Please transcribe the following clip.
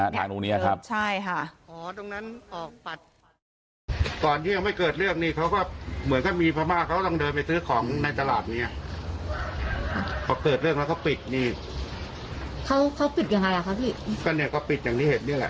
แต่ที่เห็นเขาเดินออกไป